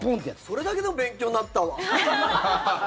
それだけでも勉強になったわ。